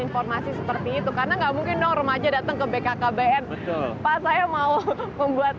informasi seperti itu karena nggak mungkin dong remaja datang ke bkkbn pak saya mau membuat